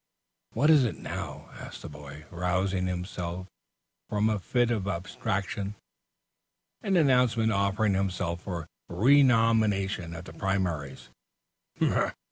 "What is it now?" asked the boy, rousing himself from a fit of abstraction. "An announcement offering himself for renomination at the primaries.